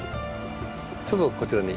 ちょっとこちらに。